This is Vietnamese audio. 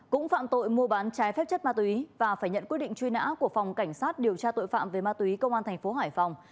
cũng phạm tội mua bán trái phép chất ma túy và phải nhận quyết định truy nã của phòng cảnh sát điều tra tội phạm về ma túy công an thành phố hải phòng